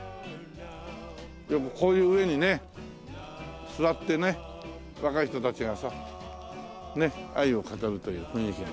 よくこういう上にね座ってね若い人たちがさ愛を語るという雰囲気に。